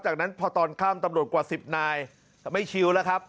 จากนั้นพอตอนค่ำตำรวจกว่า๑๐นายไม่ชิวแล้วครับ